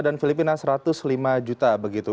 indonesia lima ratus lima juta begitu